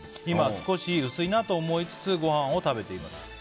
今は少し薄いなと思いつつご飯を食べています。